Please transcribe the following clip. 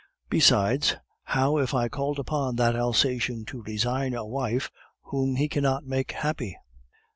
Besides, how if I called upon that Alsatian to resign a wife whom he cannot make happy?"